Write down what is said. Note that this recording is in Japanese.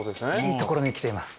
いいところにきています。